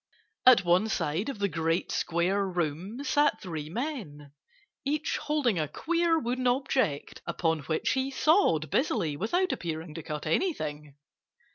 At one side of the great square room sat three men, each holding a queer wooden object, upon which he sawed busily without appearing to cut anything.